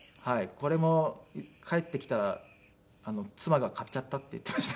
これも帰ってきたら妻が「買っちゃった」って言っていましたね。